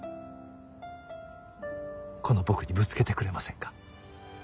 この僕にぶつけてくれませんか？